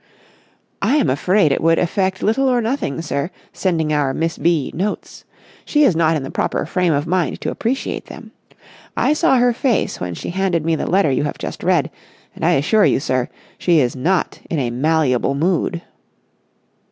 "I am afraid it would effect little or nothing, sir, sending our Miss B. notes. She is not in the proper frame of mind to appreciate them. I saw her face when she handed me the letter you have just read, and I assure you, sir, she is not in a malleable mood."